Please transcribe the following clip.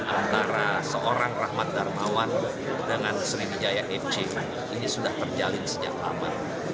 antara seorang rahmat darmawan dengan sriwijaya fc ini sudah terjalin sejak lama